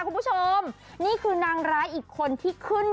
คุณผู้ชมนี่คือนางร้ายอีกคนที่ขึ้น